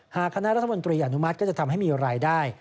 หากคณะรัฐบาลประกาศอนุมัติก็จะทำให้มีรายได้